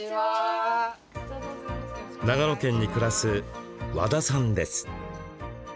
長野県に暮らす和田さんです。